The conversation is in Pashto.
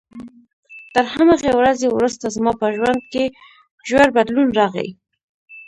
تر همغې ورځې وروسته زما په ژوند کې ژور بدلون راغی.